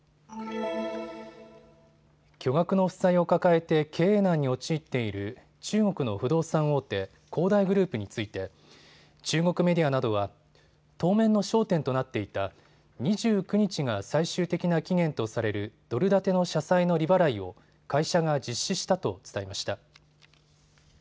巨額の負債を抱えて経営難に陥っている中国の不動産大手、恒大グループについて中国メディアなどは当面の焦点となっていた２９日が最終的な期限とされるドル建ての社債の利払いを会社が実施したと伝えました。